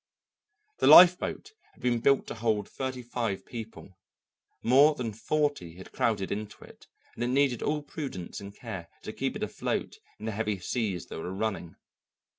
The lifeboat had been built to hold thirty five people; more than forty had crowded into it, and it needed all prudence and care to keep it afloat in the heavy seas that were running.